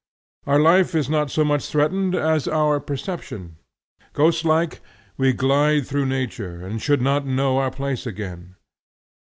Our life is not so much threatened as our perception. Ghostlike we glide through nature, and should not know our place again.